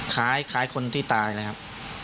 คล้ายคล้ายคนที่ตายนะครับ